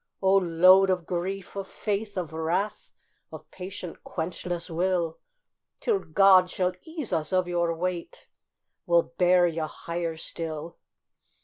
O load of grief, of faith, of wrath, Of patient, quenchless will, Till God shall ease us of your weight We'll bear you higher still!